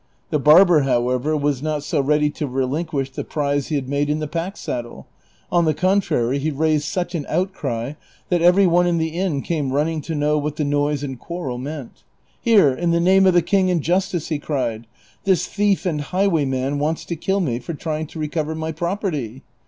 The barber, however, was not so ready to re linquish the prize he had made in the pack saddle ; on the con trary, he raised such an outcry that every one in the inn came running to know what the noise and quarrel meant. '' Here, in the name of the king and justice !" he cried, " this thief and highwayman wants to kill me for trying to recover my property."